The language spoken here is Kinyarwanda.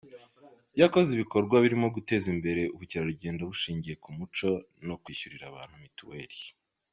Yakoze ibikorwa birimo guteza imbere ubukerarugendo bushingiye ku umuco no kwishyurira abantu mituweri.